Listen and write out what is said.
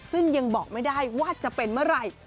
ซึ่งยังบอกไม่ได้ว่าจะเป็นเมื่อไหร่